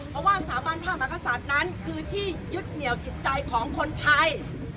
เพราะว่าสถาบันพระมหากษัตริย์นั้นคือที่ยึดเหนียวจิตใจของคนไทย